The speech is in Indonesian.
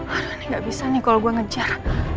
karena ini gak bisa nih kalau gue ngejar